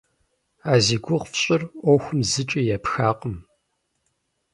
А зи гугъу фщӏыр ӏуэхум зыкӏи епхакъым.